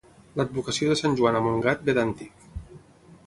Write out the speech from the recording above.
L'advocació de sant Joan a Montgat ve d'antic.